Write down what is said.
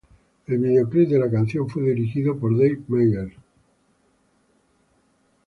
El videoclip de la canción fue dirigido por Dave Meyers.